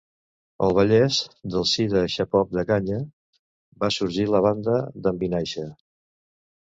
Al Vallès, del si de Xarop de Canya, va sorgir La Banda d'en Vinaixa.